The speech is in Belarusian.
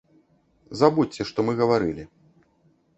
Забудзьце, што мы гаварылі.